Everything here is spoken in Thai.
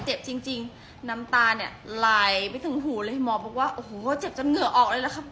เจ็บจริงน้ำตาเนี่ยไหลไปถึงหูเลยหมอบอกว่าโอ้โหเจ็บจนเหงื่อออกเลยล่ะครับ